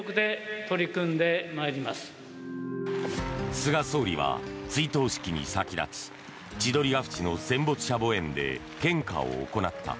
菅総理は追悼式に先立ち千鳥ヶ淵の戦没者墓苑で献花を行った。